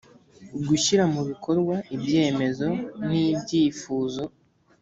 gushyira mu bikorwa ibyemezo n ibyifuzo